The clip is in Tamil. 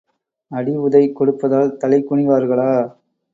அடி உதை கொடுப்பதால் தலை குனிவார்களா?